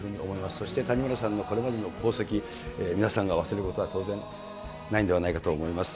そして谷村さんのこれまでの功績、皆さんが忘れることは当然ないんではないかと思います。